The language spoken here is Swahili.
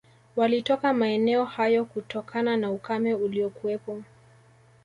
Walitoka maeneo hayo kutokana na ukame uliokuwepo